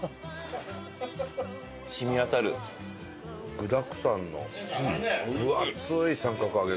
具だくさんの分厚い三角揚げですねこれ。